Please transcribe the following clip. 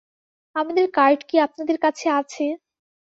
আমাদের কার্ড কি আপনাদের কাছে আছে?